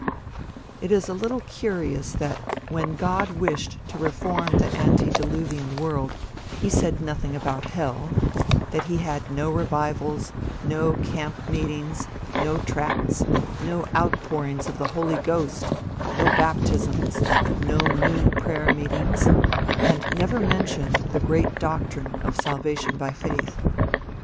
It is a little curious that when God wished to reform the ante diluvian world he said nothing about hell; that he had no revivals, no camp meetings, no tracts, no outpourings of the Holy Ghost, no baptisms, no noon prayer meetings, and never mentioned the great doctrine of salvation by faith.